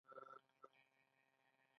آیا په امن او سوکالۍ کې نه وي؟